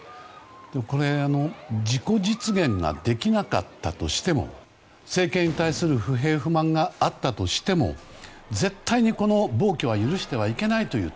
これ、自己実現ができなかったとしても政権に対する不平不満があったとしても絶対にこの暴挙は許してはいけないという。